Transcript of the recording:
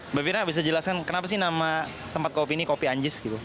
mbak fira bisa jelaskan kenapa sih nama tempat kopi ini kopi anjis gitu